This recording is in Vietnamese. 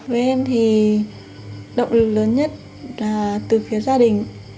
với em thì động lực lớn nhất là từ phía gia đình